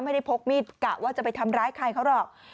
ไม่ได้พกมีดกะว่าจะไปทำร้ายใครเขาหรอก